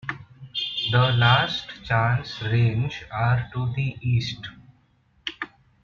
The Last Chance Range are to the east.